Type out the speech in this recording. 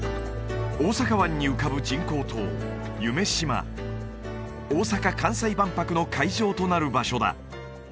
大阪湾に浮かぶ人工島夢洲大阪・関西万博の会場となる場所だ